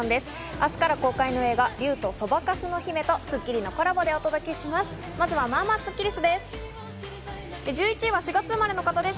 明日から公開の映画『竜とそばかすの姫』と『スッキリ』のコラボでお届けします。